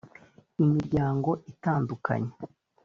imiryango itandukanye